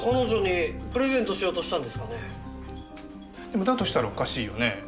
でもだとしたらおかしいよねえ。